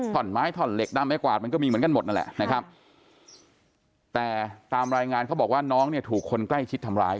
่อนไม้ท่อนเหล็กด้ามไม้กวาดมันก็มีเหมือนกันหมดนั่นแหละนะครับแต่ตามรายงานเขาบอกว่าน้องเนี่ยถูกคนใกล้ชิดทำร้าย